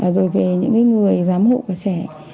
rồi về những cái người giám hộ của trẻ